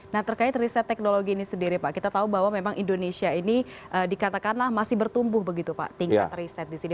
nah terkait riset teknologi ini sendiri pak kita tahu bahwa memang indonesia ini dikatakanlah masih bertumbuh begitu pak tingkat riset di sini